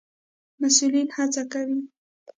مسئولين هڅه کوي